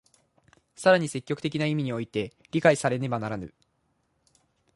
更に積極的な意味において理解されねばならぬ。